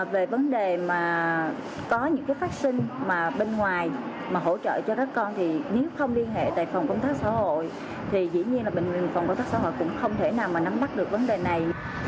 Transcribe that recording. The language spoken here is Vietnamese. về vấn đề mà có những cái phát sinh mà bên ngoài mà hỗ trợ cho các con thì nếu không liên hệ tại phòng công tác xã hội thì dĩ nhiên là bệnh viện phòng công tác xã hội cũng không thể nào mà nắm bắt được vấn đề này